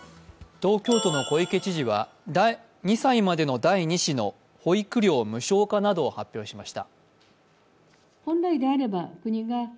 東京都の小池知事は２歳までの第２子の保育料無償化などを発表しました。